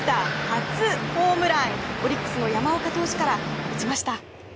初ホームランオリックスの山岡投手から打ちました。